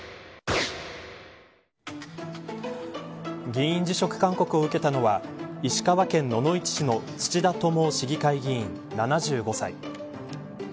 議員辞職勧告を受けたのは石川県野々市市の土田友雄市議会議員、７５歳。